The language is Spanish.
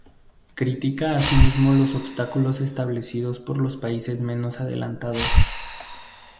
Critica asimismo los obstáculos establecidos por los países menos adelantados.